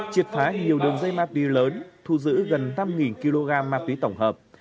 triệt phá nhiều đường dây ma túy lớn thu giữ gần năm kg ma túy tổng hợp